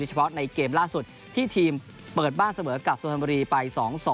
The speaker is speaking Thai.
เฉพาะในเกมล่าสุดที่ทีมเปิดบ้านเสมอกับสุพรรณบุรีไป๒๒